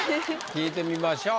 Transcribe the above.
聞いてみましょう。